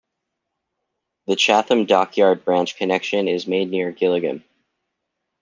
The Chatham Dockyard branch connection is made near Gillingham.